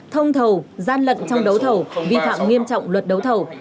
thông thầu gian lận trong đấu thầu vi phạm nghiêm trọng luật đấu thầu